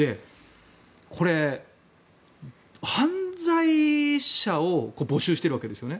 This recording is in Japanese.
これ、犯罪者を募集してるわけですよね。